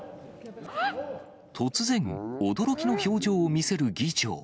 突然、驚きの表情を見せる議長。